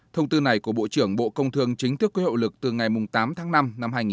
thông tư này của bộ trưởng bộ công thương chính thức quy hậu lực từ ngày tám tháng năm năm hai nghìn hai mươi